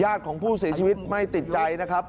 ของผู้เสียชีวิตไม่ติดใจนะครับ